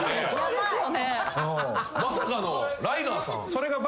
まさかのライガーさん。